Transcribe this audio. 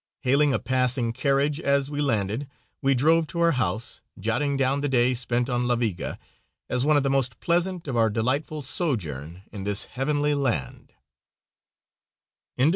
Hailing a passing carriage, as we landed, we drove to our house, jotting down the day spent on La Viga as one of the most pleasant of our delightful sojourn in this heavenly land.